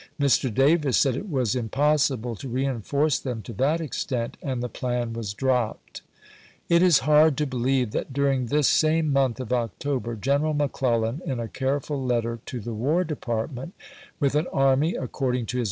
Mr. Davis said it was im possible to reenforce them to that extent, and the plan was dropped. It is hard to believe that during this same month of October, General McClellan, in a careful letter to the War Department, with an army, according Vol v.fp.